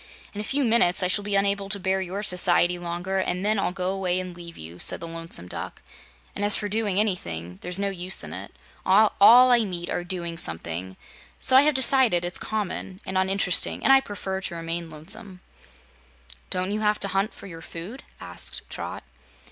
In a few minutes I shall be unable to bear your society longer, and then I'll go away and leave you," said the Lonesome Duck. "And, as for doing anything, there's no use in it. All I meet are doing something, so I have decided it's common and uninteresting and I prefer to remain lonesome." "Don't you have to hunt for your food?" asked Trot.